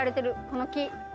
この木。